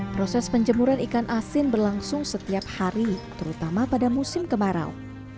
proses penjemuran ikan asin berlangsung setiap hari terutama pada musim kemarau